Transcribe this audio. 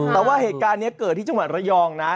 แต่ว่าเอการ์เนี้ยเกิดที่จังหวัดเรยองนะ